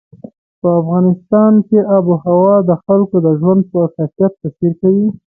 په افغانستان کې آب وهوا د خلکو د ژوند په کیفیت تاثیر کوي.